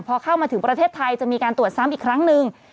พอเข้ามาถึงประเทศไทยจะมีการตรวจซ้ำอีกครั้งหนึ่ง